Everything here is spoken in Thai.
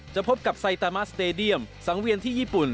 พบกับไซตามัสสเตดียมสังเวียนที่ญี่ปุ่น